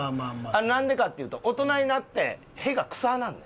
あれなんでかっていうと大人になってああ。